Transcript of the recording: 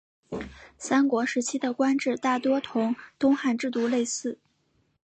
三国时期的官制大多与东汉制度类似。